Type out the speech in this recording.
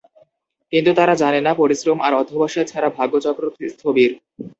কিন্তু তারা জানে না পরিশ্রম আর অধ্যবসায় ছাড়া ভাগ্যচক্র স্থবির।